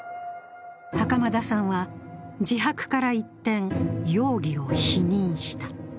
袴田さんは自白から一転、容疑を否認した。